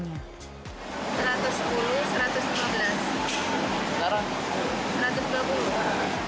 dan juga mencapai rp sepuluh per kilogramnya